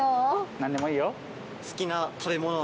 何でもいいよ。